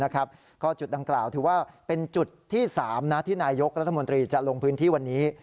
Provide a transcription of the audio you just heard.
ก็จุดดังกล่าวถือว่าเป็นจุดที่๓ที่นายกรัฐมนตรีจะลงพื้นที่วันนี้